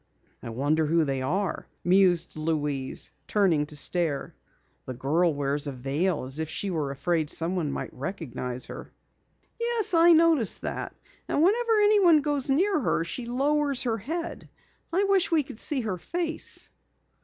"I wonder who they are?" mused Louise, turning to stare. "The girl wears a veil as if she were afraid someone might recognize her." "Yes, I noticed that, and whenever anyone goes near her, she lowers her head. I wish we could see her face."